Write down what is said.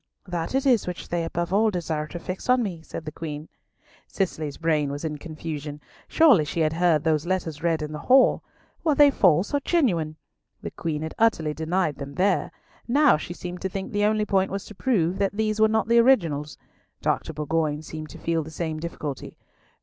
"That it is which they above all desire to fix on me," said the Queen. Cicely's brain was in confusion. Surely she had heard those letters read in the hall. Were they false or genuine? The Queen had utterly denied them there. Now she seemed to think the only point was to prove that these were not the originals. Dr. Bourgoin seemed to feel the same difficulty.